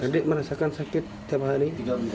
adik merasakan sakit tiap hari